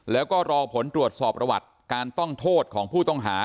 แล้วก็รอผลตรวจสอบประวัติการต้องโทษของผู้ต้องหา